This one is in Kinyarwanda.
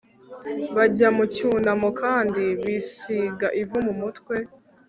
bajya mu cyunamo kandi bisiga ivu mu mutwe